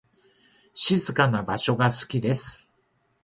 静かな場所が好きです。